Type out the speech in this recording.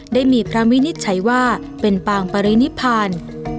ได้มีพระวินิจฉัยว่าเป็นปางปรินิพาน